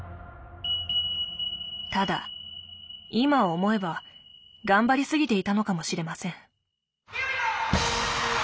ただ今思えば頑張りすぎていたのかもしれません。